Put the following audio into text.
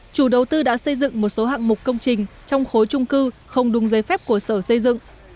chủ đầu tư đã xây dựng một số hạng mục công trình trong khối trung cư không đúng giấy phép của sở xây dựng